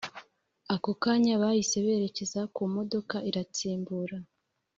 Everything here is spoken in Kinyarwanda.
ako kanya bahise berekeza kumodoka iratsimbura